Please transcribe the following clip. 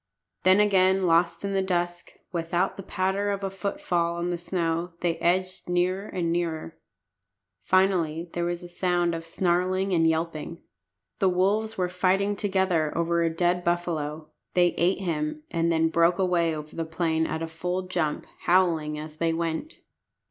Then again lost in the dusk, without the patter of a footfall on the snow, they edged nearer and nearer. Finally there was a sound of snarling and yelping. The wolves were fighting together over a dead buffalo. They ate him, and then broke away over the plain at a full jump, howling as they went.